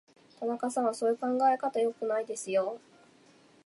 田中さん、そういう考え方は良くないですよ。